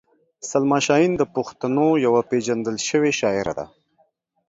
سلما شاهین د پښتنو یوه پېژندل شوې شاعره ده.